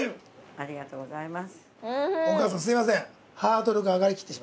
◆ありがとうございます。